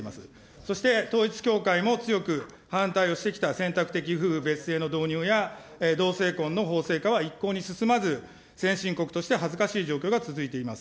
そして、統一教会も強く反対をしてきた選択的夫婦別姓の導入や同性婚の法制化は一向に進まず、先進国として恥ずかしい状況が続いています。